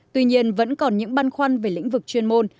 tuy nhiên vẫn còn những băn khoăn về lĩnh vực chuyên môn